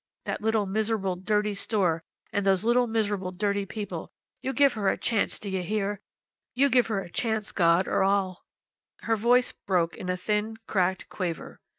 That little miserable, dirty store, and those little miserable, dirty people. You give her a chance, d'You hear? You give her a chance, God, or I'll " Her voice broke in a thin, cracked quaver.